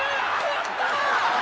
やった！